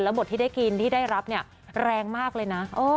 บทที่ได้กินที่ได้รับเนี่ยแรงมากเลยนะ